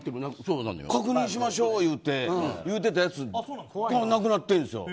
確認しましょういうてたやつなくなってるんですよ。